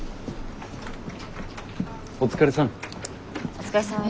お疲れさん。